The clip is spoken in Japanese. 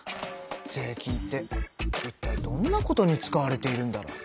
税金っていったいどんなことに使われているんだろう？